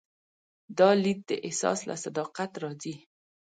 دا لید د احساس له صداقت راځي.